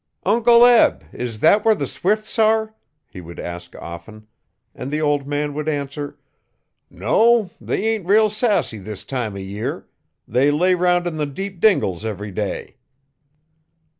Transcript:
'Uncle Eb is that where the swifts are?' he would ask often; and the old man would answer, 'No; they ain't real sassy this time o' year. They lay 'round in the deep dingles every day.'